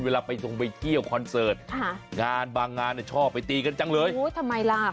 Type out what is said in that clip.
เวลาไปทรงไปเที่ยวคอนเสิร์ตค่ะงานบางงานชอบไปตีกันจังเลยโอ้ยทำไมล่ะ